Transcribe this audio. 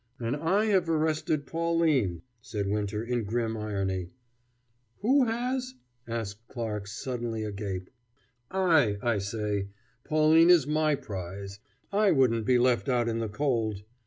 "And I have arrested Pauline," said Winter in grim irony. "Who has?" asked Clarke, suddenly agape. "I, I say. Pauline is my prize. I wouldn't be left out in the cold."